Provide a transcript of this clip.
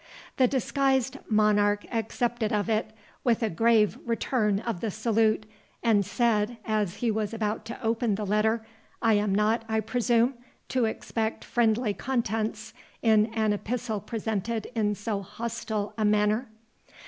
The disguised Monarch accepted of it, with a grave return of the salute, and said, as he was about to open the letter, "I am not, I presume, to expect friendly contents in an epistle presented in so hostile a manner?"